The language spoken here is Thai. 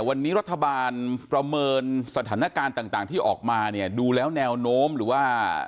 วันนี้รัฐบาลประเมินสถานการณ์ต่างที่ออกมาเนี่ยดูแล้วแนวโน้มหรือว่า